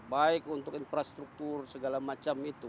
baik untuk infrastruktur segala macam itu